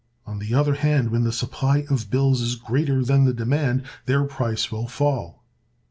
On the other hand, when the supply of bills is greater than the demand, their price will fall.